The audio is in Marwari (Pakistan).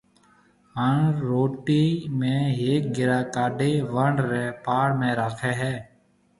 ھاڻ روٽِي ۾ ھيَََڪ گھرا ڪاڊيَ وڻ رِي پاݪ ۾ راکيَ ھيََََ